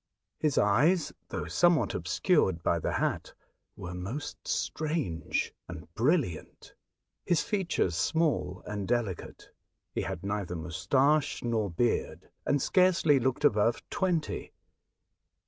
His eyes, though somewhat obscured by the hat, were most strange and brilliant. His features small and delicate. He had neither mous tache nor beard, and scarcely looked above twenty.